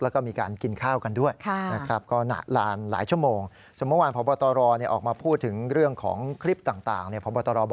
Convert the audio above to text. แล้วก็มีการกินข้าวกันด้วยนะครับ